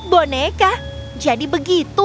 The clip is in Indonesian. boneka jadi begitu